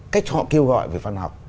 cách họ kêu gọi về văn học